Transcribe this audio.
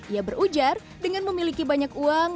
ia berujar dengan memiliki banyak uang